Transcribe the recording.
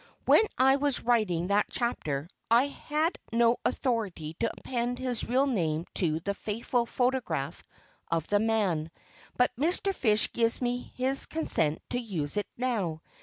When I was writing that chapter, I had no authority to append his real name to the faithful photograph of the man; but Mr. Fish gives me his consent to use it now.